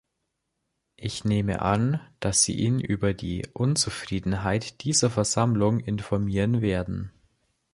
Ich nehme an, dass Sie ihn über die Unzufriedenheit dieser Versammlung informieren werden.